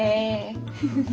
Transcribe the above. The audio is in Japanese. フフフ。